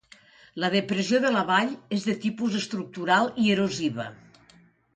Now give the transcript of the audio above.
La depressió de la vall és de tipus estructural i erosiva.